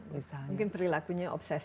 mungkin perilakunya obsesif